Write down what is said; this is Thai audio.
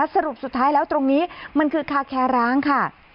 สรุปสุดท้ายแล้วตรงนี้มันคือคาแคร้างค่ะ